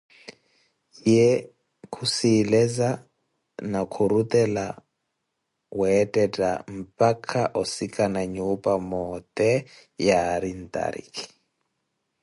Ye khusiileza ni khurutela weettetta mpakha osikana nnyupa moote yaari ntarikhi.